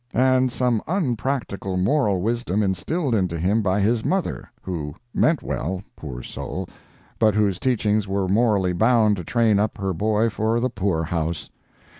—and some unpractical moral wisdom instilled into him by his mother, who meant well, poor soul, but whose teachings were morally bound to train up her boy for the poor house.